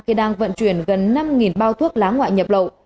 khi đang vận chuyển gần năm bao thuốc lá ngoại nhập lậu